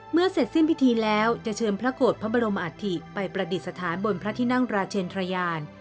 เสร็จสิ้นพิธีแล้วจะเชิญพระโกรธพระบรมอัฐิไปประดิษฐานบนพระที่นั่งราชเชนทรยาน